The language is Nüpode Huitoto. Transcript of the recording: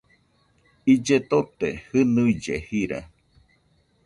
Ille tote, jɨnuille jira